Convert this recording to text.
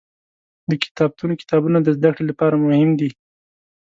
د کتابتون کتابونه د زده کړې لپاره مهم دي.